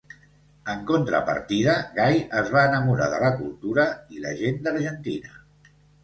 En contrapartida, Guy es va enamorar de la cultura i la gent d'Argentina.